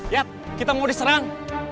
ya kita mau diserang